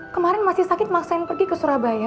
kemarin masih sakit maksain pergi ke surabaya